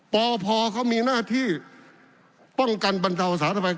ปพเขามีหน้าที่ป้องกันบรรจาวศาสตร์เท่าไหร่